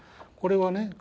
これはね